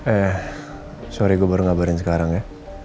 eh sorry gue baru ngabarin sekarang ya